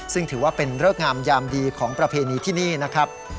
ซึ่งถือว่าเป็นเริกงามยามดีของประเพณีที่นี่นะครับ